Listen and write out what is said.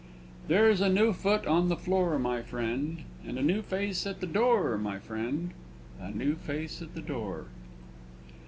"There's a new foot on the floor, my friend; And a new face at the door, my friend; A new face at the door."